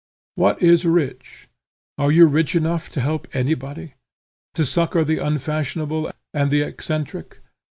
What is rich? Are you rich enough to help anybody? to succor the unfashionable and the eccentric?